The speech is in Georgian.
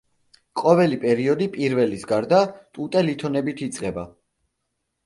ყოველი პერიოდი პირველის გარდა ტუტე ლითონებით იწყება.